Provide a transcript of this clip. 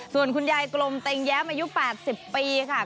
ส่วนคุณยายกลมเต็งแย้มอายุ๘๐ปีค่ะ